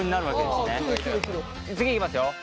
次いきますよ。